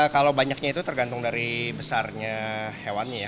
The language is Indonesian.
kalau banyaknya itu tergantung dari besarnya hewannya ya